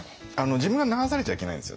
自分が流されちゃいけないんですよ。